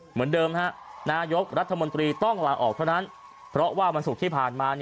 เหมือนเดิมฮะนายกรัฐมนตรีต้องลาออกเท่านั้นเพราะว่าวันศุกร์ที่ผ่านมา